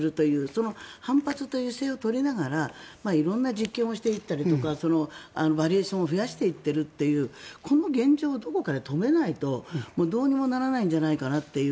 その反発という姿勢を取りながら色んな実験をしていったりとかバリエーションを増やしていっているというこの現状をどこかで止めないとどうにもならないんじゃないかなっていう。